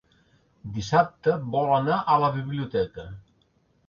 Dissabte vol anar a la biblioteca.